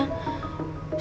sampai dokter anu ya